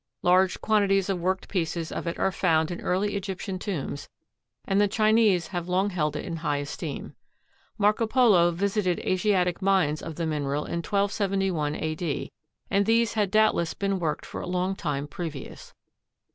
Large quantities of worked pieces of it are found in early Egyptian tombs, and the Chinese have long held it in high esteem. Marco Polo visited Asiatic mines of the mineral in 1271 A. D., and these had doubtless been worked for a long time previous.